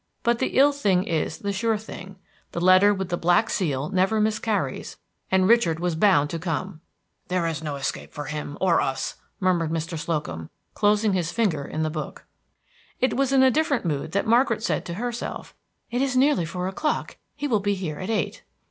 But the ill thing is the sure thing; the letter with the black seal never miscarries, and Richard was bound to come! "There is no escape for him or for us," murmured Mr. Slocum, closing his finger in the book. It was in a different mood that Margaret said to herself, "It is nearly four o'clock; he will be here at eight!"